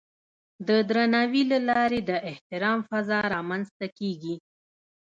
د درناوي له لارې د احترام فضا رامنځته کېږي.